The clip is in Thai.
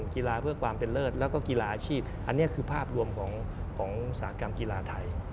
กีฬาเพื่อความเป็นเลิศแล้วก็กีฬาอาชีพอันนี้คือภาพรวมของอุตสาหกรรมกีฬาไทย